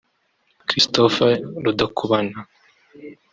Christophe Rudakubana